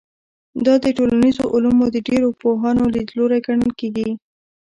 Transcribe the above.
دا د ټولنیزو علومو د ډېرو پوهانو لیدلوری ګڼل کېږي.